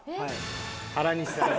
原西さん。